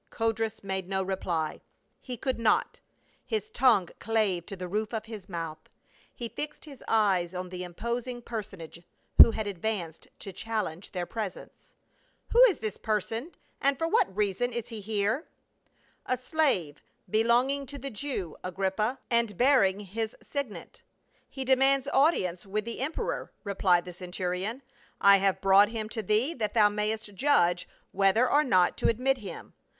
Codrus made no reply ; he could not, his tongue clave to the roof of his mouth. He fixed liis eyes on the imposing personage who had advanced to chal lenge their presence. "Who is this person, and (or what reason is he here ?" "A slave belonging to the Jew, Agrippa, and bear THE RECLUSE OF CAPEAE. 61 ing his signet. He demands audience with the em peror," rephed the centurion. "I have brought him to thee that thou mayst judge whether or not to admit him.